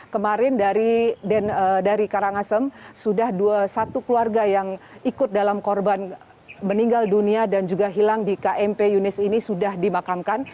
kemarin dari karangasem sudah satu keluarga yang ikut dalam korban meninggal dunia dan juga hilang di kmp yunis ini sudah dimakamkan